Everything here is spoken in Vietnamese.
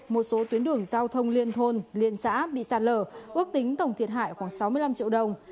một số tuyến đường giao thông liên thôn liên xã bị sạt lở ước tính tổng thiệt hại khoảng sáu mươi năm triệu đồng